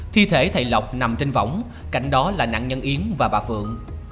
thi thể thầy lọc nằm trên vỏng cạnh đó là nạn nhân yến và bà phượng